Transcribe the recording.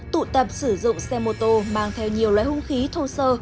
tụ tập sử dụng xe mô tô mang theo nhiều loại hung khí thô sơ